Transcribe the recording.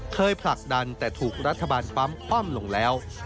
ผลักดันแต่ถูกรัฐบาลปั๊มคว่ำลงแล้ว